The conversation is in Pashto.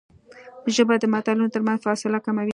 ژبه د ملتونو ترمنځ فاصله کموي